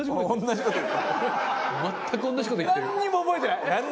なんにも覚えてない。